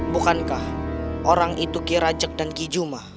bukankah orang itu kirajek dan kijuma